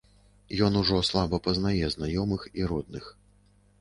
Ён ужо слаба пазнае знаёмых і родных.